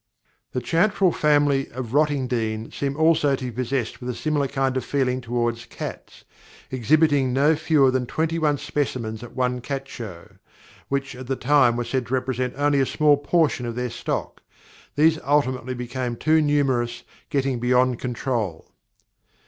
The Chantrel family of Rottingdean seem also to be possessed with a similar kind of feeling towards cats, exhibiting no fewer than twenty one specimens at one Cat Show, which at the time were said to represent only a small portion of their stock; these ultimately became almost too numerous, getting beyond control.